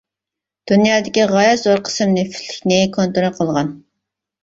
دۇنيادىكى غايەت زور قىسىم نېفىتلىكنى كونترول قىلغان.